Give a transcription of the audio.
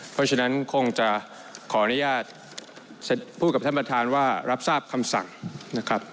เพราะฉะนั้นคงจะขออนุญาตพูดกับท่านประธานว่ารับทราบคำสั่งนะครับ